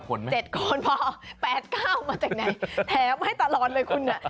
๗คนพอ๘๙มาจากไหนแถมให้ตลอดเลยคุณ